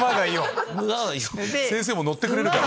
先生も乗ってくれるから。